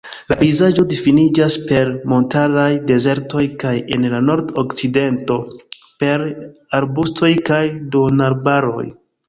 La pejzaĝo difiniĝas per montaraj dezertoj kaj en la nord-okcidento per arbustoj kaj duonarbaroj.